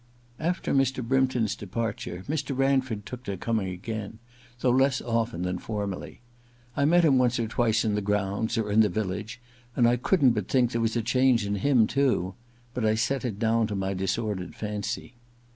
After Mr. Brympton's departure Mr. Ran ford took to coming again, though less often than formerly. I met him once or twice in the grounds, or in the village, and I couldn't but think there was a change in him too ; but I set it down to my disordered fancy.